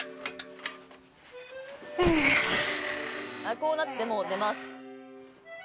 「こうなってもう寝ます」